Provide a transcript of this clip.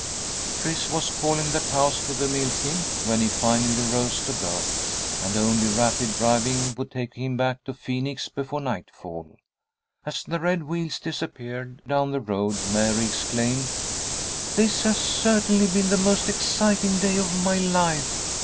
Chris was calling the cows to the milking when he finally rose to go, and only rapid driving would take him back to Phoenix before nightfall. As the red wheels disappeared down the road, Mary exclaimed, "This has certainly been the most exciting day of my life!